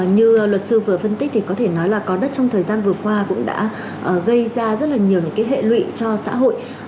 như luật sư vừa phân tích thì có thể nói là có đất trong thời gian vừa qua cũng đã gây ra rất là nhiều những cái hệ lụy cho xã hội